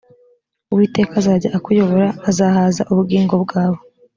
uwiteka azajya akuyobora azahaza ubugingo bwawe.